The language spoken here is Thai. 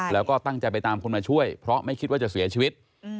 แล้วก็ตั้งใจไปตามคนมาช่วยเพราะไม่คิดว่าจะเสียชีวิต